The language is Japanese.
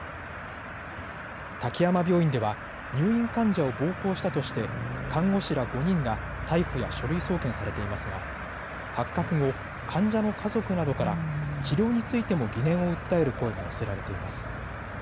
滝山病院では入院患者を暴行したとして看護師ら５人が逮捕や書類送検されていますが発覚後、患者の家族などから治療についても疑念を訴える声が寄せられています。